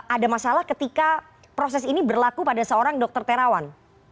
ada masalah ketika proses ini berlaku pada seorang dokter terawan